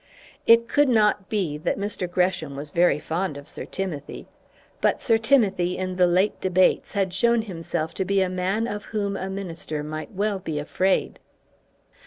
It could not be that Mr. Gresham was very fond of Sir Timothy; but Sir Timothy in the late debates had shown himself to be a man of whom a minister might well be afraid.